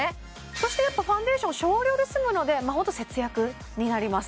そしてファンデーション少量で済むのでホント節約になります